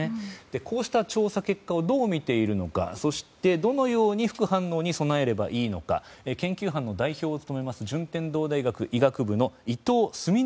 こうした調査結果をどうみているのかそして、どのように副反応に備えればいいのか研究班の代表を務めます順天堂大学医学部の伊藤澄信